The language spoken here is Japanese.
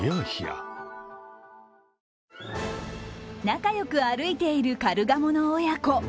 仲良く歩いているカルガモの親子。